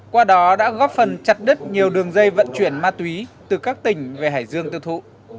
qua đó đã góp phần chặt đứt nhiều đường dây vận chuyển ma túy từ các tỉnh về hải dương tiêu thụ